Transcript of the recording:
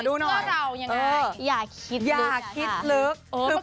ขอดูหน่อยเสื้อเรายังไงอย่าคิดลึก